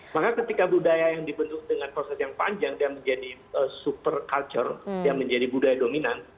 maka ketika budaya yang dibentuk dengan proses yang panjang dia menjadi super culture dia menjadi budaya dominan